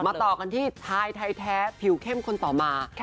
ต่อกันที่ชายไทยแท้ผิวเข้มคนต่อมา